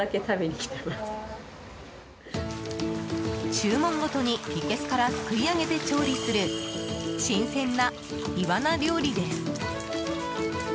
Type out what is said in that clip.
注文ごとにいけすからすくい上げて調理する新鮮なイワナ料理です。